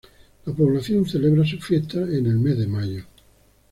La población celebra sus fiestas en el mes de mayo.